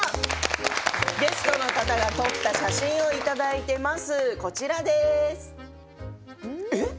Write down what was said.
ゲストの方が撮った写真をいただいています。